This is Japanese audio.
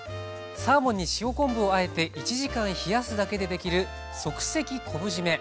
サーモンに塩昆布をあえて１時間冷やすだけで出来る即席昆布じめ。